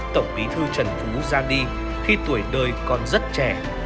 tổng bí thư trần phú ra đi khi tuổi đời còn rất trẻ